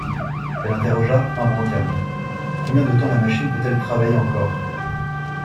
Il interrogea Imbrancam :— Combien de temps la machine peut-elle travailler encore ?